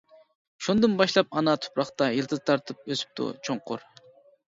شۇندىن باشلاپ ئانا تۇپراقتا، يىلتىز تارتىپ ئۆسۈپتۇ چوڭقۇر.